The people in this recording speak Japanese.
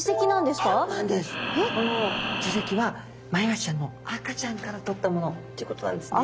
この耳石はマイワシちゃんの赤ちゃんから取ったものということなんですね。